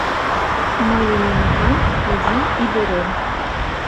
Мыйын уныкам, изи ӱдырем